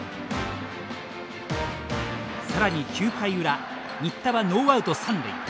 さらに９回裏新田はノーアウト、三塁。